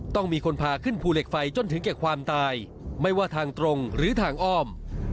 ต้องมีคนพาขึ้นภูเหล็กไฟจนถึงแก่ความตายไม่ว่าทางตรงหรือทางอ้อม